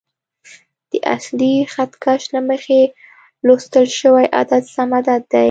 د اصلي خط کش له مخې لوستل شوی عدد سم عدد دی.